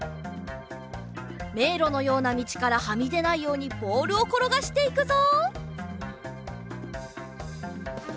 めいろのようなみちからはみでないようにボールをころがしていくぞ。